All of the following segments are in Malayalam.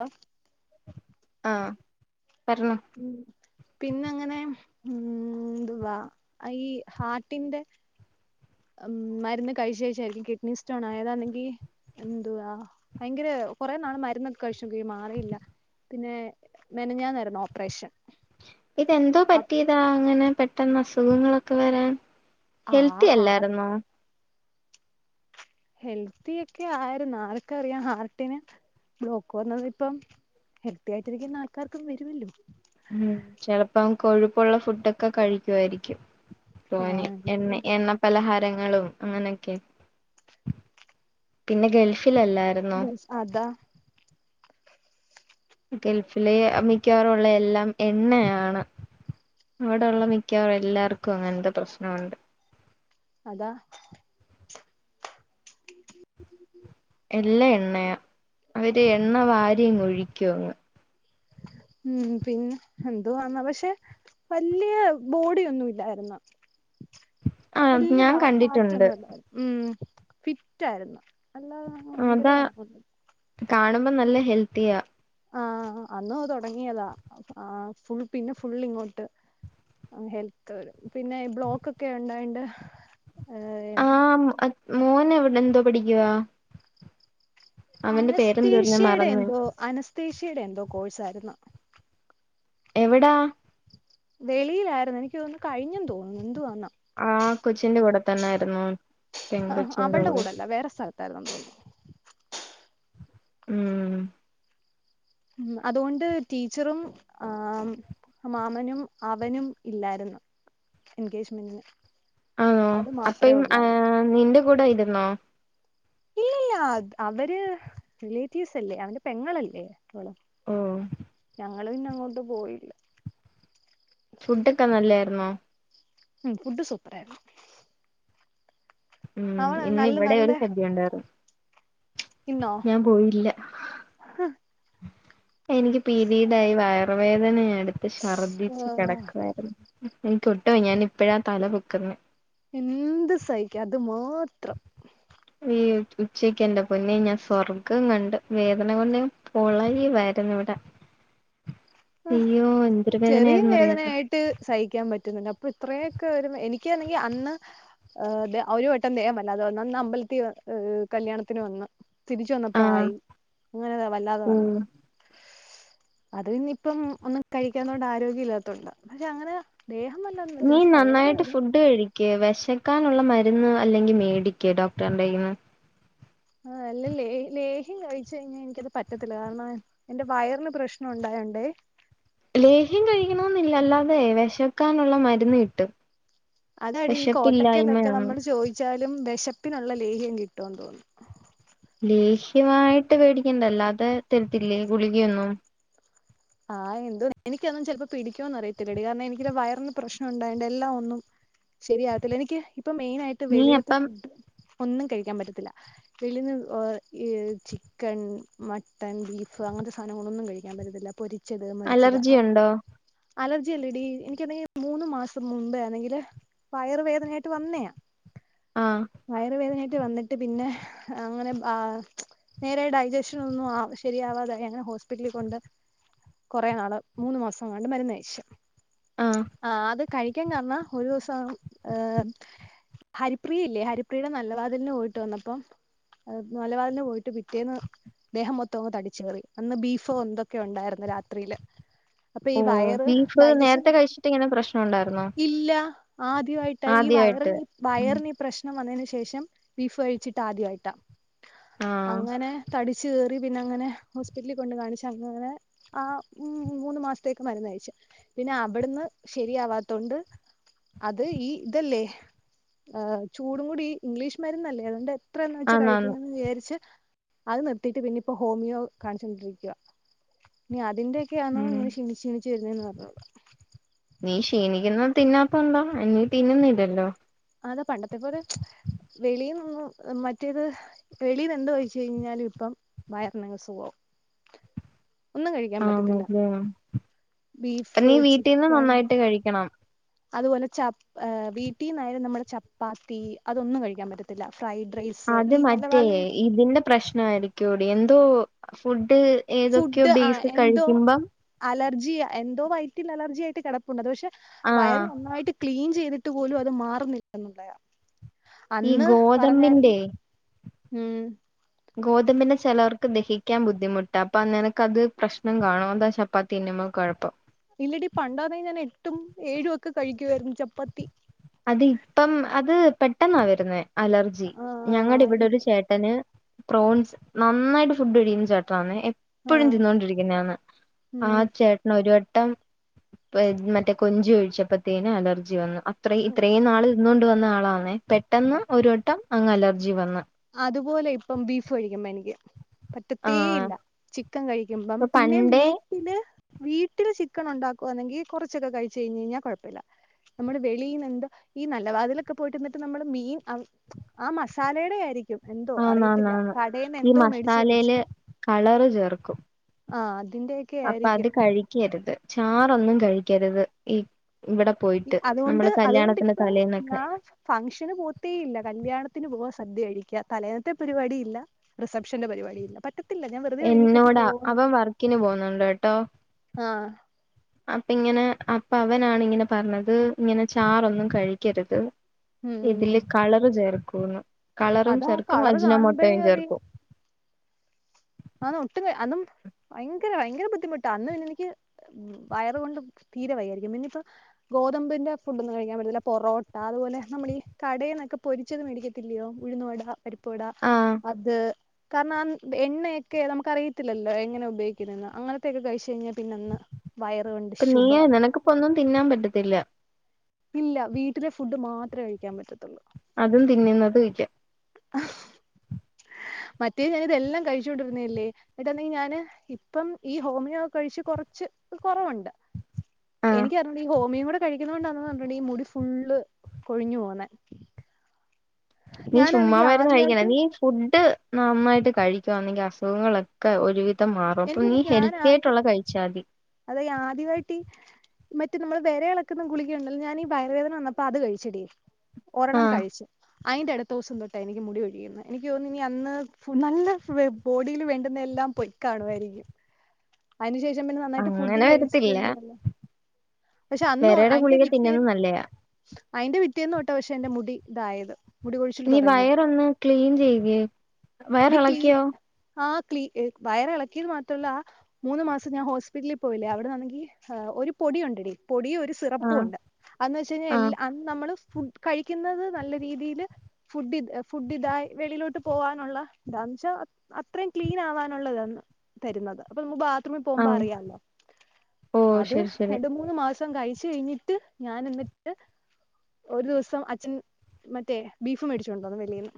ഹോ ആഹ് പറഞ്ഞോ പിന്ന അങ്ങനെ ഉം എന്തുവാ ഈ ഹാർട്ടിന്റെ മരുന്ന് കഴിച്ച ശേഷമായിരിക്കും കിഡ്നി സ്റ്റോൺ ആയതാണെങ്കിൽ എന്തുവാ ഭയങ്കര കൊറെ നാള് മരുന്നൊക്കെ കഴിചോക്കി മാറില്ല പിന്നെ മെനഞ്ഞാരുന്നു ഓപ്പറേഷൻ ഇതെന്തോ അപ് പറ്റിയതാ അങ്ങനെ പെട്ടന്ന് അസുഖങ്ങളൊക്കെ വരാൻ? ആ ഹെൽത്തി ഹാർ അല്ലായിരുന്നോ? ഹെൽത്തിക്കെ ആയിരുന്നു ആർക്കറിയാം ഹാർട്ടിന് ബ്ലോക്ക് വന്നത് ഇപ്പം ഹെൽത്തി ആയിട്ടിരിക്കുന്ന ആൾക്കാർക്കും വരുല്ലോ ചെലപ്പം കൊഴുപ്പുള്ള ഫുഡൊക്കെ കഴിക്കുആയിരിക്കും തോനി എെന്ന ആ എണം പലഹാരങ്ങളും അങ്ങനെക്കെ പിന്നെ ഗൾഫിലല്ലാരും സദാ ഗൾഫില് മിക്കവാറുള്ള എല്ലാം എണ്ണയാണ് അവിടെ ഉള്ള മിക്കവാ [unintelligible] എല്ലാവർക്കും അങ്ങനെത്തെ പ്രശ്നഉണ്ട് അതാ എല്ലാ എണ്ണയാ അവര് എണ്ണ വാരി ഒഴിക്കും പിന്നെ എന്തോ എന്ന പക്ഷെ വല്യയ ബോഡിയൊന്നുല്ലായിരുന്നു. ആഹ് വല്യയ ഞാൻ വ കണ്ടിട്ടുണ്ട് ഫാറ്റന്നലായി ഫിറ്റ് ആയിരുന്നു അല്ലാ അതാ കാണുമ്പോ നല്ല ഹെൽത്തിയ ആഹ് അന്നോ തുടങ്ങിയതാ ആഹ് ഫുൾ പിന്നെ ഫുൾ ഇങ്ങോട്ട് ഹെൽത്ത് വരും പിന്നെഈ ബ്ലോക്ക്ക്കെ ഉണ്ടായിണ്ട് ആഹ് മോൻ [unintelligible] എന്തോ പഠിക്കുവാ അവന്റെ പേരെന്തോരുന്നു അനസ്തേഷ്യടെ മറന്ന് എന്തോ അനസ്തേ ഷ്യയുടെ എന്തോ കോഴ്സ് ആയിരുന്നു എവടാ വെളിലായിരുന്നു എനിക്ക്തൊന്ന് കഴിഞ്ഞെന്ന് തോന്നുന്നു എന്തു വാന്ന ആഹ് കൊച്ചിന്റെ കൂടെ തന്നൊയിരുന്നു ആഹ് അവള്ടെ കൂടെ അല്ല വേറെ സ്ഥലത്തായിരുന്നു നമ്മെ ഉം ഉം അതുകൊണ്ട് ടീച്ചറും ആഹ് ഉം മാമനും അവനും ഇല്ലായിരുന്നു എഗേജ്മെന്റിന് ആണോ അപ്പം ഏ നിന്റെ കൂടെ ആയിരുന്നോ ഇല്ലല്ല അവര് റിലേറ്റീവ്സ് അല്ലേ അവന്റെ പെങ്ങളല്ലേ അവള് ഓ ഞങ്ങള് പിന്നെ അങ്ങോട്ട് പോയില്ല ഫുഡൊക്കെ നല്ലായിരുന്നോ ഉം ഫുഡ് സൂപ്പർ ആയിരുന്നു ഉം അവള് ഇന്നി നല്ല ഇവിടെ നല്ല ഒരു സദ്യ ഉണ്ടാര് ഇന്നോ പോയില്ല എനിക്ക് പിരീഡായി വയറുവേദനയ എടുത്ത് ഛർദിച്ചു കടക്കുവായിരുന്നു എനിക്കൊട്ടു വയ്യാ ഞാൻ ഇപ്പഴാ തല പൊക്കുന്നേ എന്തും സഹിക്കാ അത് മാത്രം ഈ ഉച്ചയ്ക്ക് എന്റെ പൊന്നെ ഞാൻ സ്വർഗ്ഗം കണ്ട് വേദന കൊണ്ട് ഞാൻ പുളയുവായിരുന്നു. അയ്യോ എന്തൊരു ചെറിയ വേദനയായിരുന്നു എന്ന് അറിയോ വേദനയായിട്ട് സഹിക്കാൻ പറ്റുന്നുണ്ട് അപ്പോ ഇത്രയൊക്കെ ഒരു എനിക്കാണെങ്കിൽ അന്ന്- ആഹ് ഒരു വട്ടം ദേഹമല്ല അത് അന്ന് അമ്പലത്തില് ആഹ് കല്യാണത്തിന് വന്നാ- തിരിച്ച് വന്നപ്പോ ആഹ് ആയി അങ്ങനെ വല്ലാതെ ഉം വന്ന് അത്- ഇപ്പോ ഒന്നും കഴിക്കാണ്ട് ആരോഗ്യം ഇല്ലാത്തണ്ട് പക്ഷേ അങ്ങനെ ദേഹം വല്ലാതെ എത്തി പക്ഷേ വേദന വരും. ക്ക് വിശക്കാനുള്ള മരുന്ന് അല്ലെങ്കിൽ മേടിക്ക് ഡോക്ടറിന്റെ കയ്യീന്ന്. ആ അല്ല ലേഹ ലേഹ്യം കഴിച്ച കഴിഞ്ഞാൽ എനിക്കത് പറ്റത്തില്ല കാരണം- എന്റെ വയറിന് പ്രശ്നം ഉണ്ടായോണ്ടേ ലേഹ്യം കഴിക്കണെന്നില്ല അല്ലാതെ വിശക്കാനുള്ള മരുന്ന് കിട്ടും അതാടി ഈ കോട്ടക്കലൊക്കെ വെശപ്പില്ലായ്മയാണ് നമ്മൾ ചോദിച്ചാലും വിശപ്പിനുള്ള ലേഹ്യം കിട്ടുമെന്ന് തോന്നുന്നു. ലേഹ്യമായിട്ട് മേടിക്കണ്ട അല്ലാതെ തരത്തില്ലേ ഗുളികയൊന്നും ആഹ് എന്തോ എനിക്കെന്നും ചിലപ്പോ പിടിക്കുമെന്നും അറിയത്തില്ലാടി കാരണം എനിക്കു വയറിന് പ്രശ്നം ഉണ്ടായണ്ട് എല്ലാം ഒന്നും- ശരിയാവത്തില്ല എനിക്ക് ഇപ്പോ മെയിനായിട്ട് നീ വെളിയിലത്തെ അപ്പം ഫുഡ് ഒന്നും കഴിക്കാൻ പറ്റത്തില്ല. വെളിയിനിന്ന് ഈ ചിക്കൻ, മട്ടൻ, ബീഫ് അങ്ങനത്തെ സാധനങ്ങളൊന്നും കഴിക്കാൻ പറ്റത്തില്ല. ച്ചത് മൊരിച്ചത് അലർജി ഉണ്ടോ അലർജി അല്ല ഇടി എനിക്ക് എന്തെങ്കിൽ മൂന്ന് മാസം മുമ്പേ അല്ലെങ്കില്- വയറുവേദനയായിട്ട് വന്നയാ ആഹ് വയറുവേദനയായിട്ട് വന്നിട്ട്- പിന്നെ അങ്ങനെ ആഹ- നേരെ ഡൈജഷൻ ഒന്നും ആ ശരിയാവാതെ അങ്ങനെ ഹോസ്പിറ്റലിൽ കൊണ്ട്- കുറേ നാള് മൂന്ന് മാസങ്ങാണ്ട് മരുന്ന് കഴിച്ച് ആഹ് ആ അത്- കഴിക്കാൻ കാരണം ഒരു ദിവസം ഏഹ- ഹരിപ്രയില്ലേ ഹരിപ്രിയയുടെ നല്ല വാതിലന് പോയിട്ട് വന്നപ്പോ- മലബാറിന് പോയിട്ട് പിറ്റേന്ന് ദേഹം മൊത്തം അങ്ങ് തടിച്ച് കയറി അന്ന് ബീഫോ എന്തൊക്ക- ഒക്കെ ഉണ്ടായിരുന്നു രാത്രിയില്- അപ്പോ ഈ ഓ വയറ് ബീഫ് ഡൈജഷൻ നേരത്തെ കഴിച്ചിട്ട് ഇങ്ങനെ പ്രശ്നം ഉണ്ടായിരുന്നോ ഇല്ല ആദ്യമായിട്ട് ഈ വയറ്- ആദ്യായിട്ട് വയറിന് ഈ പ്രശ്നം വന്നതിന് ശേഷം ബീഫ് കഴിച്ചിട്ട് ആദ്യമായിട്ടാ ആഹ് അങ്ങനെ- തടിച്ച് കയറി പിന്നെ അങ്ങനെ ഹോസ്പിറ്റലിൽ കൊണ്ട് കാണിച്ചാ- അങ്ങനെ ആ ഉം മൂന്ന് മാസത്തേക്ക് മരുന്ന് കഴിച്ച്. പിന്നെ അവ്ട്ന്ന് ശരിയാവാത്തോണ്ട് അത് ഈ ഇതല്ലേ- ആ ചൂടു കൂടി ഇംഗ്ലീഷ് മര്ന്നല്ലേ അതുകൊണ്ട് എത്രന്ന് വെച്ചാ ആന്നാന്ന് കഴിക്കുന്നന്ന് വിചാ രിച്ച് അത് നിർത്തിയിട്ട് പിന്നെ ഇപ്പോ ഹോമിയോ കാണിചോടിരി ക്ക്യാ. ഇനി അതിന്റെ ഒക്കെയാണോ ഉം ഇങ്ങനെ ക്ഷണിച്ച് ക്ഷണിച്ച് വരുതെന്ന് അറിഞ്ഞുകൂടാ നീ ക്ഷീണിക്കുന്നെ തിന്നാത്തോണ്ട നീ തിന്നുന്നില്ലല്ലോ? അതെ പണ്ടത്തെപ്പോലെ വെളിയിൽന്നും മറ്റേത്- വെളിയിൽ എന്ത് കഴിച്ച് കഴിഞ്ഞാലും ഇപ്പോ വയറിന് അസുഖാവും [inaudible] ആന്നോ ല്ലേ ബീഫ് നീ വീട്ടീന്ന് ചിക്കൻ നന്നായിട്ട് കഴിക്കണം. അതുപോലെ ചപ്പാ വീട്ടീന്നായാലും നമ്മടെ ചപ്പാത്തി അതൊന്നും കഴിക്കാൻ പറ്റത്തില്ല ഫൈ ഡ്രൈസ് അത് മറ്റേ [unintelligible] ഇതിന്റെ പ്രശ്നം ആയിരിക്കോടി എന്തോ ഫുഡ് ഏതൊക്കെയോ ഫുഡ് ആ ബേസ് എന്തോ കഴിക്കുമ്പം അലർജി എന്തോ വയറ്റിൽ അലർജി ആയിട്ട് കിടപ്പുണ്ട് പക്ഷേ വയർ ആഹ് നന്നായിട്ട് ക്ലീൻ ചെയ്തി ട്ട് പോലും അത് മാറുന്നില്ലെന്നുള്ളയാ ഈ അന്ന് പർ ഞ്ഞായിരുന്നു ഗോതമ്പിന്റെ ഉം. ഗോതമ്പിന്റെ ചിലവർക്ക് ദഹിക്കാൻ ബുദ്ധിമുട്ടാ അപ്പോ നിനക്ക് അത് പ്രശ്നം കാണും അതാ ചപ്പാ പ്പാത്തി തിന്നുമ്പോ കൊഴപ്പം. ഇല്ലടി പണ്ടായ്ര്ന്നെങ്കി ഞാൻ എട്ടും ഏഴും ഒക്കെ കഴിക്കുവായിരുന്നു ചപ്പാത്തി. അത് ഇപ്പം അത് പെട്ടെന്നാ വരുന്നേ അലർജി ഞങ്ങടെ ഇവിടെ ആഹ് ഒരു ചേ ട്ടന്ന് പ്രോൺസ് നന്നായിട്ട് ഫുഡ് കഴിക്കുന്ന ചേട്ടനാന്നെ എപ്പഴും ആഹ് തിന്നോണ്ടിരിക്കുന്നാന്ന് ആ ഉം ചേട്ട ട്ടന്ന് ഒരു വട്ടം മറ്റേ കൊഞ്ച് കഴിച്ചപ്പത്തേന് അലർജി വന്നു. ഇത്ര ഇത്രയും നാള് ഇന്ന് കൊണ്ട് വന്ന ആളാണേ പെട്ടെന്ന് ഒരു വട്ടം അങ്ങ് അലർജി വന്ന് അത് പോലെ ഇപ്പം ബീഫ് കഴിക്കുമ്പ എനിക്ക്. പറ്റത്തേ ആഹ് ഇല്ല ചിക്കൻ കഴിക്കുമ്പം ഇപ്പൊ പിന്നെ പണ്ടേ വീ ട്ടില്ല് വീട്ടിൽ ചിക്കൻ ഉണ്ടാക്കുവാണേങ്കിൽ കൊറച്ചൊക്കെ കഴിച്ച് കഴിഞ്ഞ്യ്ഞ്ഞാൽ കൊഴപ്പല്ല. നമ്മള് വെളിയിന്നെന്ത് ഈ നല്ല വാതിലൊക്കെ പോയിട്ട് ന്നെട്ട് നമ്മള് മീൻ ആ മസാലേടെ ആയിരി ക്ക്‌യും എന്തോ അറിയത്തില്ല ആന്നാന്നാന്ന് കടെ ന്ന് ഈ എന്തോ മേടിച് വിച്ച് മസാലയില് കളറ് ആഹ് അതിന്റെ അപ്പ അത് കഴിക്കര്ത് ചാറൊന്നും കഴിക്കരുത് ഈ ഇവിടെ പോയിട്ട് അത്കൊണ്ട് നമ്മള് അത്കൊണ്ട് കല്യാണത്തിന്റെ ഇപ്പ തലേന്നൊക്കെ ഞാൻ ഫംഗ്ഷന് പോത്തേ ഇല്ല കല്യാണത്തിന് പോവാ സദ്യ കഴിക്കാ തലേന്നെത്തെ പരിപാടിയില്ല. റിസപ്ഷന്റെ പരിപാടിയില്ല പറ്റ എന്നോടാ അവൻ വർക്കിന് പോവു ന്ന്ണ്ട്ട്ടോ. ആഹ്. അപ്പ ഇങ്ങനെ അപ്പൊ അവനാണ് ഇങ്ങനെ പർഞ്ഞത് ഇങ്ങനെ ചാറൊന്നും കഴിക്കരുത്. ഉം ഇതില് കളറ് ചേർക്കൂന്ന് കളറും അതാ ചേർക്കും കളറ് അജ്ന കാണുമ്പോഴേ മോട്ടോയും അറിയാം ചേർക്കും. ആഹ് ഒട്ടും അന്നും ഭയങ്കര ഭയങ്കര ബുദ്ധിമുട്ടാ അന്ന്ന്നെനിക്ക് ഉം വയറ് കൊണ്ടും തീരെ വയ്യായിരിക്കും ഇന്നിപ്പോ ഗോതമ്പിന്റെ ഫുഡോന്നും കഴിക്കാൻ പറ്റത്തില്ല പൊറോട്ട അതുപോലെ നമ്മളി കടെന്നൊക്കെ പൊരി ച്ചത് മേടിക്കത്തില്യോ ഉഴുന്ന് വടാ, പരിപ്പ് വടാ, ആഹ് അത് കാരണം ആ എണ്ണ ക്കെ നമക്ക് അറിയത്തില്ലല്ലോ എങ്ങനെ ഉപയോഗിക്ന്നന്ന് അങ്ങനത്തെക്കെ കഴിച് കഴിഞ്ഞാൽ പിന്നെ അന്ന് പ്പ നീയാ നിനക്കിപ്പോ ഒന്നും തിന്നാൻ പറ്റത്തില്ല ഇല്ല വീട്ടിലെ ഫുഡ് മാത്രേ കഴിക്കാൻ പറ്റത്തോള്ളൂ. അതും തിന്ന്ന്നത് ഇല്ല്യാ. ആ മറ്റേ ഞാന്തെല്ലാം കഴിച്ചോ ണ്ടിരുന്നതല്ലേ? ഇത്ണ്ടെങ്കി ഞാന് ഇപ്പം ഈ ഹോമിയോെ കഴിച്ച് കൊറച്ച് കൊറവുണ്ട്. ആഹ് എനിക് അറിഞ്ഞുട ഈ ഹോമിയോ കൂടെ കഴിക്ണോണ്ടാന്ന ഈ മുടി ഫുള്ള് കൊഴിഞ് പോണെ നീ ചുമ്മാമാരുന്ന് കഴിക്കാണ്ട ആദ്യവായിട്ട് നീ ഫുഡ് നന്നായിട്ട് കഴിക്കാന്നെങ്കി അസുഖങ്ങളൊക്കെ ഒരുവിധ വിധത്ത്‌ മാറും അപ്പൊ നീ എനിക്കിത് ഞാൻ ഹെൽത്തി ആദ്യ ആയിട്ടുള്ള കഴിച്ചാതി അതെ ഈ ആദ്യമായിട്ടി മറ്റെ നമ്മളെ വരേ എളക്ന്ന ഗുളികയുണ്ടെല്ലോ ഞാനി വയറ് വേദന വന്നപ്പോ അത് കഴിച്ചടി ഒരെണ്ണം ആഹ് കഴിച് അയിന്റെട് ദോസം തൊട്ടാ എനിക്ക് മുടി കൊഴിയുന്നെ എനിക്ക് തോന്നുന്നു ഇനി അന്ന് നല്ല ബോഡിയിൽ വേണ്ടുന്ന എല്ലാം പോയി കാണുമായിരിക്കും അയ്ന് ശേഷം പിന്നെ നന്നായിട്ട് ഫുഡും അങ്ങനെ കഴിച്ചിട് വരത്തില്ല പക്ഷെ അന്ന് വെരയുടെ അയിന്റെ ഗുളിക തിന്നുന്നത് പിറ്റെന്ന് നല്ലയാ അയിന്റെ പിറ്റേന്ന് തൊട്ടാ പക്ഷെ എന്റെ മുടി തായത് നീ വയറൊന്ന് ക്ലീൻ ചെയ്യുകേ വയറിളക്കിയോ ആഹ് ക്ലീ വയറ് എളക്കിന്ന് മാത്രല്ല മൂന്ന് മാസം ഞാൻ ഹോസ്പിറ്റലിൽ പോയില്ലേ അവിട്ന്നാണേങ്കി ഒരു പൊടി ഉണ്ടേടി പൊടിയും ഒര് സിറപ്പും ആഹ് ഉണ്ട് അന്ന് വെച്ചയ്ഞ്ഞാൽ എല്ല ആഹ് അന്ന് നമ്മള് ഫുഡ് കഴിക്കുന്നത് നല്ല രീതിയില് ഫുഡ് ഇത് ഫുഡ് ഇതായി വെളിയിലോട്ട് പോകാനുള്ള ന്താന്ന് വെച്ചാ അത്രേം ക്ലീൻ ആവാനുള്ളതാണ് തരുന്നത് അപ്പൊ മ്മക്ക് ബാത്റൂമിൽ പോകുമ്പോ ആഹ് അറിയാല്ലോ ഓ അത് ശരി ശരി രണ്ട് മൂന്ന് മാസം മാസം കഴിച് കഴിഞ്ഞിട്ട് ഞാന് ന്നിട്ട് ഒരു സം അച്ഛൻ മറ്റേ ബീഫ് മേടിച്ചു കൊണ്ടോന്ന് വെളീന്ന്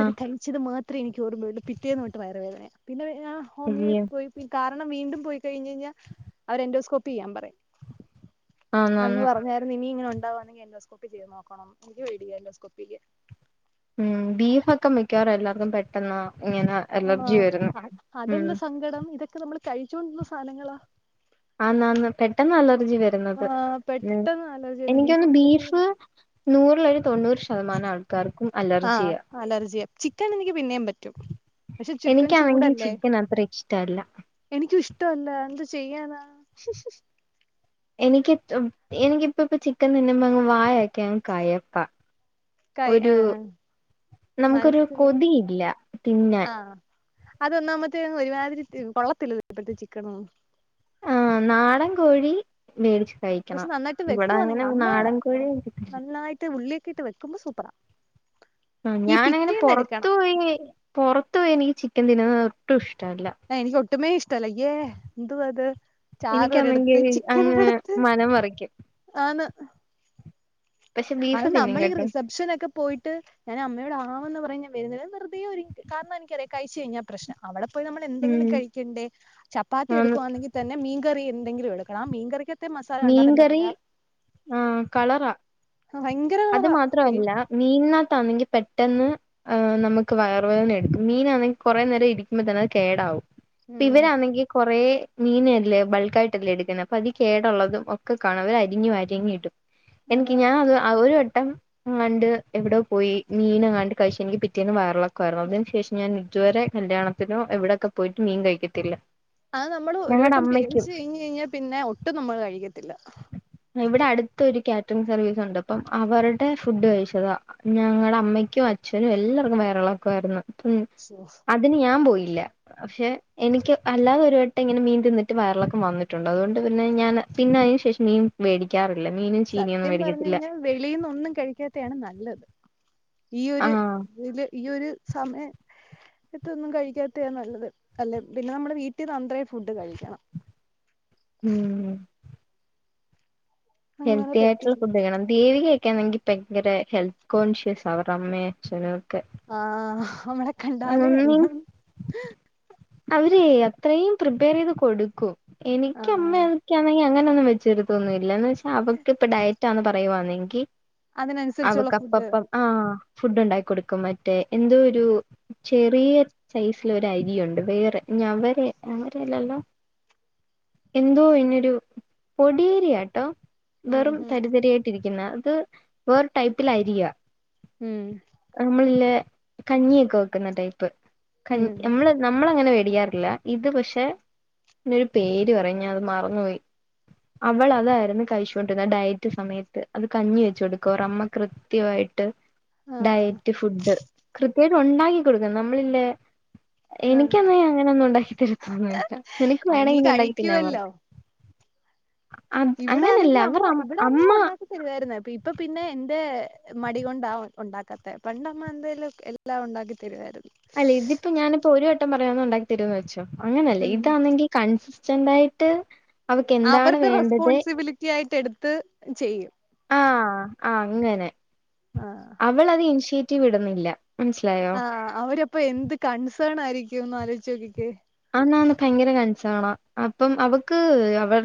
അത് കഴിച്ചത് മാത്രേ എനിക്ക് ഓർമ്മയൊള്ളൂ പിറ്റേന്ന് ഒട്ട് വയറ് വേദന പിന്നെ ഞാന് ഹോമിയോ അയ്യോ പോയി കാരണം വീണ്ടും പോയി കഴിഞയ്ഞ്ഞാ അവര് എൻറ്റോസ്കോപ്പി ചെയ്യാൻ പറയും ആന്ന് ആന്ന് അന്ന് പറഞാര്ന്ന് ഇനി ഇങ്ങനെ ഉണ്ടാവാണെങ്കി എന്റോസ്കോപ്പി ചെയ്ത് നോക്കണം ഇൻക്ക് പെടിയാ എന്റോ സ്കോപ്പിയ്യാൻ ഉം ബീഫൊക്കെ മിക്കവാറും എല്ലാർക്കും പെട്ടെന്നാ ങ്ങനെ ആഹ് അതല്ല സങ്കടം ഇതൊക്കെ നമ്മള് കഴിച്ചോണ്ടിരുന്ന സാനങ്ങളാ. ആഹ് നന്ന് പെട്ടെന്നലർജി ആ വരുന്നത് ഉം പെട്ടെന്ന് അലർജി വന്നു എനിക്കൊന്ന് ബീഫ്. പറ്റത്തേയില്ല നൂറിലൊരു തൊണ്ണൂറ് ശതമാനം ശതമാനാൾക്കാർക്കും ആ അലർജിയ. അലർജിയാ ചിക്കൻ എനിക്ക് പിന്നെയും പറ്റും പക്ഷെ ചിക്കൻ എനിക്കാണെങ്കി ചൂടല്ലേ ചിക്കൻ അത്ര ഇഷ്ടല്ല. എനിക്കും ഇഷ്ടഅല്ല എന്ത് ചെയ്യാനാ? എനിക്ക് എനിക്കിപ്പ ഇപ്പ പ്പ ചിക്കൻ തിന്നുപം അങ് വായൊക്കെ കയപ്പാ. കൈ ഒരു ആ നമുക്കൊരു മനസ്സിലായി കൊതിയില്ല തിന്നാൻ. അതൊന്നാമത്തേങ് ഒരുമാതിരി കൊള്ളത്തില്ല ഇപ്പഴത്തെ ചിക്കനൊന്നും. നാടൻ കോഴി. വേടിച് കഴിക്കും പക്ഷെ നന്നായിട്ട് വെക്കുവാന്നെങ്കി അമ്മ കോഴി നന്നായിട്ട് ഉള്ളിയക്കെ ഇട്ട് വെക്കുമ്പോ സൂപ്പറാ. ആഹ് ഈ ഞാനങ്ങനെ പിറ്റേന്ന് പൊറത്തു എടുക്കണം പോയി പൊറത്തു പോയി ഇനിക്ക് ചിക്കൻ തിന്ന്നത് ഒട്ടും ഇഷ്ടല്ല. എനിക്ക് ഒട്ടുമേ ഇഷ്ടഅല്ല യ്യേ എന്തുവാ അത് ചാറ് എനിക്കാന്നെങ്കി ഒരിടത്ത് ചിക്കൻ അങ്ങ് ഒരിടത്ത് മനം മറിക്കും ആന്ന്. പക്ഷെ അയ് ബീഫ് തിന്നും നമ്മളീ കേട്ടോ റിസപ്ഷനൊക്കെ പോയിട്ട്. ഞാൻ അമ്മയോട് ആവ്ന്ന് പറയും ഞാൻ വരുന്നില്ല വെറുതെ ഒരുങ്ങി കാരണം എനിക്കറാം കഴിച്ചു കഴിഞ്ഞ. പ്രശ്ന അവടെ പോയി നമ്മള് എന്തെങ്കിലും ഉം കഴിക്കണ്ടേ ചപ്പാത്തി ആന്ന് എടുക്കുവാണെങ്കി. തന്നെ മീൻകറി എന്തെങ്കിലും എടുക്കണം ആ മീൻകറിക്ക് മീൻകറി ആഹ് കളറ ഭയങ്കര അത് കളറാ മാത്രഅല്ല. മീനകത്താണെങ്കി പെട്ടെന്ന്. ആഹ് നമുക്ക് വയർ വേദന എടുക്കും മീനാണെങ്കി കൊറെ നേരം ഇരിക്കുമ്പോ തന്നെ അത് കേടാവും. ഉം ഇവരാണെങ്കി കൊറെേ മീനല്ലേ ബൾക്കായിട്ടല്ലേ എടുക്കുന്ന അപ്പൊ അതി കേടള്ളത്. ഒക്കെ കാണാം അവര് അരിഞ്ഞു അരിഞ്ടും അതാ എനിക്ക് ഞാൻ അത് ഒരു വട്ടം. ങ്ങാണ്ട് എവടോ പോയി മീനങ്ങാണ്ട് കഴച് എനിക്ക് പിറ്റേന്ന് വയറളക്കം വയറിളക്കത്തിന് ശേഷം ഞാൻ ഇതുവരെ കല്യാണത്തിനോ എവിടെക്കെ പോയിട്ടും മീൻ കഴിക്കത്തില്ല. അഹ് നമ്മള് ഒരു ഞങ്ങടെ വട്ടം അമ്മയ്ക്കും പേടിച്ച് കഴിഞ്ഞ് കഴിഞ്ഞാ പിന്നെ ഒട്ടും നമ്മള് കഴിക്കത്തില്ല. ഇവടെ അടുത്തൊരു കാറ്ററിംഗ്- സർവീസ് ഉണ്ട്, അപ്പം അവരുടെ ഫുഡ് കഴിച്ചത. ഞങ്ങളെ അമ്മയ്ക്കും, അച്ഛനും, എല്ലാർക്കും വയറെളൊക്കെ ആയിരുന്നു. [unintelligible] അതിന് ഞാൻ പോയില്ല പക്ഷെ. എനിക്ക് അല്ലാതെ ഒരു വട്ടം ഇങ്ങനെ മീൻ തിന്ന്ട്ട് വയറളക്കം വന്നിട്ടുണ്ട്, അതുകൊണ്ട് പിന്നെ- ഞാൻ പിന്നെ, അയിന് ശേ- ശേഷം മീൻ മേടിക്കാറില്ല. മീനും, ചീനിയൊന്നും മേടിക്കത്തില്ല. വെളീന്നൊന്നും കഴിക്കാത്തെയാണ്- നല്ലത്, ഈയൊര് ആഹ് ഇല് ഈയൊര്. സമയ- തൊന്നും കഴിക്കാത്തെയ നല്ലത്. അല്ല പിന്നെ അമ്മളെ വീട്ടിന്ന് അ ന്ത്രയും ഫുഡ് കഴിക്കണം. ഉം. അങ്ങനെ ഹെൽത്തി ആയിട്ടുള്ള ഫുഡ്- പെട്ടിരിക്കും വേണം. ദേവികൊക്കാണെങ്കിൽ ഭയങ്കര- ഹെൽത്ത് കോൺഷ്യസ് അവരു- അമ്മേ, അച്ഛനും. ഒക്കെ ആഹ് അവളെ കണ്ടാലേ അറിയും. അവരെ അത്രേം പ്രിപ്പയറീത്- കൊടുക്കും, എനിക്കമ്മേ- ആഹ് ക്കാണെങ്കി അങ്ങനൊന്നും വെച്ചരുക്കൊന്നുല്ല, എന്ന് വെച്ചാ അവക്ക് ഇപ്പ ഡയറ്റാന്ന് പറയുവാന്നെങ്കി. അതിനനുസരിച്ചുള്ള ഫുഡ് അവക്ക്പ്പപ്പം ആഹ് ഫുഡുണ്ടായി- കൊടുക്കും, മറ്റേ എന്തോ ഒരു- ചെറിയ സൈസിലൊരരിയുണ്ട്, വേറെ നവരെ നവരല്ലല്ലോ? എന്തോ അയ്നൊരു, പൊടിയേരിയാട്ടോ. ഉം വെറും തരിതരിയായിട്ടിരിക്കുന്ന, അത് വേറൊ ടൈപ്പിലായിരിക്കും. ഉം. അമ്മളില്ലേ കഞ്ഞിയൊക്കെ- വെക്കുന്ന ടൈപ്പ് ക, ഉം ഉം അമ്മള്- നമ്മളങ്ങനെ മേടികാറില്ല ഇത്- പക്ഷെ ഇരു ഒരു പേര് പറയും, ഞൻ അത് മറന്നുപോയി. അവളതായിരുന്നു കഴിച്ചോണ്ടിരുന്ന, ആഹ് ഡയറ്റ് സമയത്ത്. അത്- കഞ്ഞി വെചൊടുക്കും റമ്മ കൃ- കൃത്യായിട്ട് ആഹ് ഡയറ്റ് ഫുഡ് കൃത്യയിട്ട്- ഉണ്ടാക്കി കൊടുക്കും. നമ്മളല്ലേ- ആഹ് എനിക്കെന്നും അങ്ങനെ യെന്നും ഉണ്ടാക്കി തരത്തോന്നുല്ല. നിനക്ക് അത് നീ വേണമെങ്കിൽ ഉണ്ടാക്കി തിന്നാൻ പറയും. കഴിക്കുവല്ലോ അ ഇവിടെ അങ്ങനല്ല ആണെങ്കി അമ്മ അവരെ ഇവിടെ അമ്മ അമ്മാ- ഉണ്ടാക്കി തരുവായിരുന്നു ഇപ്പ പിന്നെ എന്റെ- മടികൊണ്ടാ ഉണ്ടാക്കാത്തെ. പണ്ടമ്മ എന്തെലും- എല്ല ഉണ്ടാക്കി തരുവായിരുന്നു. അല്ലാ ഇതിപ്പൊ ഞാൻ- ഒരു വട്ടം പറയും ഉണ്ടാക്കി തരെന്ന് ചോയ്ച്ചും, അങ്ങനല്ലേ? ഉം ഇതാണെങ്കിൽ കൺസ്റ്റന്റ ആയിട്ട്. - അവരുടെ റെസ്പോൺസിബിലിറ്റി ആയിട്ട് എടുത്ത് ചെയ്യും. ആഹ ആ അങ്ങനെ, ആ അവൾ അത് ഇനിഷ്യേറ്റീവ് ഇടുന്നില്ല. മനസ്സിലായോ ആഹ അവര്പ്പോ എന്ത്- കൺസേൺ ആയിരിക്കുംന്ന് ആലോചോക്കിക്കെ? ആന്ന് ഭയങ്കര കൺസെണ അപ്പം, അവൾക്ക് അവരുടെ.